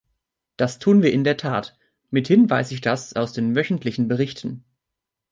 Das tun wir in der Tat mithin weiß ich das aus den wöchentlichen Berichten.